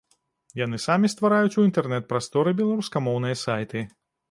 Яны самі ствараюць у інтэрнэт-прасторы беларускамоўныя сайты.